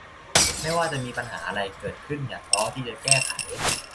ไม่ว่าจะมีปัญหาอะไรเกิดขึ้นอย่าท้อที่จะแก้ไข